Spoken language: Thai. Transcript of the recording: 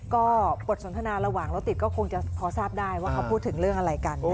ก็บทสนทนาระหว่างรถติดก็คงจะพอทราบได้ว่าเขาพูดถึงเรื่องอะไรกัน